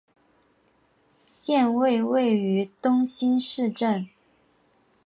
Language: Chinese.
县莅位于东兴市镇。